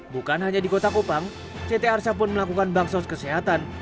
bukan hanya di kota kupang jt arsha pun melakukan baksos kesehatan